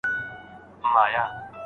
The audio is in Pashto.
ساینسي پرمختګونه د ګډو څېړنو پایله ده.